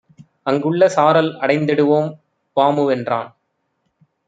அங்குள்ள சாரல் அடைந்திடுவோம் வாமுவென்றான்.